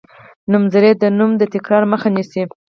نومځری د نوم د تکرار مخه ښيي.